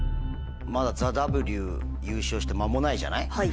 まだ『ＴＨＥＷ』優勝して間もないじゃない。